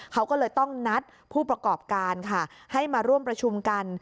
เขาก็เลยต้องนัดผู้ประกอบการค่ะให้มาร่วมประชุมกัน